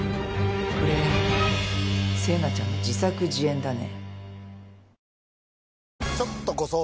これ星名ちゃんの自作自演だね。